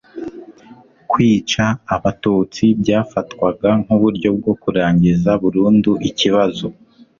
kwica abatutsi byafatwaga nk'uburyo bwo kurangiza burundu ikibazo